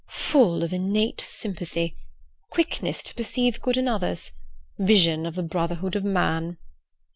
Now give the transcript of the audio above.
"...full of innate sympathy...quickness to perceive good in others...vision of the brotherhood of man..."